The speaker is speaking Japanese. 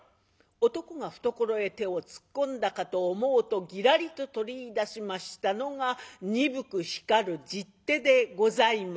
男が懐へ手を突っ込んだかと思うとぎらりと取りいだしましたのが鈍く光る十手でございます。